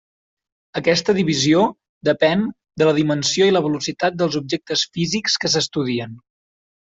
Aquesta divisió depèn de la dimensió i la velocitat dels objectes físics que s'estudien.